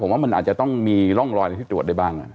ว่ามันอาจจะต้องมีร่องรอยอะไรที่ตรวจได้บ้าง